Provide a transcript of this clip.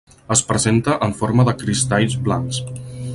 Es presenta en forma de cristalls blancs.